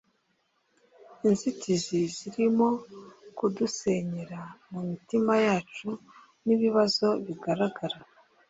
inzitizi zirimo kudusenyera mumitima yacu nibibazo bigaragara